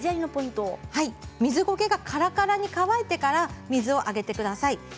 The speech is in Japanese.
水ゴケが、からからに乾いてから水をあげてください。